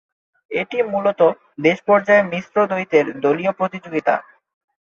এটি মূলতঃ দেশ পর্যায়ে মিশ্র-দ্বৈতের দলীয় প্রতিযোগিতা।